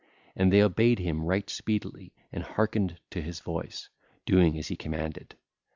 And they obeyed him right speedily and harkened to his voice, doing as he commanded.